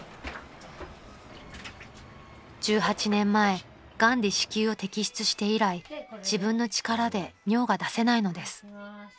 ［１８年前がんで子宮を摘出して以来自分の力で尿が出せないのです］